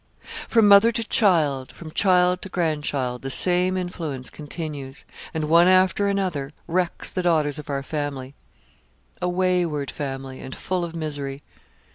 'From mother to child, from child to grandchild, the same influence continues; and, one after another, wrecks the daughters of our family a wayward family, and full of misery.